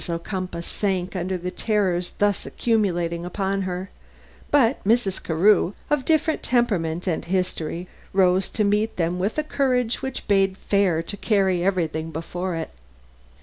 Ocumpaugh sank under the terrors thus accumulating upon her; but Mrs. Carew, of different temperament and history, rose to meet them with a courage which bade fair to carry everything before it.